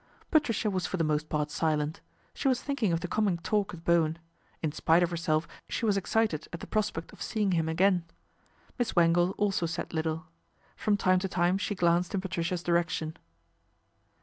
Patricia was for the most part silent. She as thinking of the coming talk with Bowen. i spite of herself she was excited at the prospect seeing him again. Miss Wangle also said little, rom time to time she glanced in Patricia's rection.